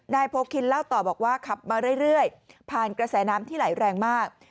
โพคินเล่าต่อบอกว่าขับมาเรื่อยผ่านกระแสน้ำที่ไหลแรงมาก